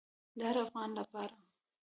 د هر افغان لپاره.